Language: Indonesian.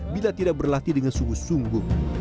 bila tidak berlatih dengan sungguh sungguh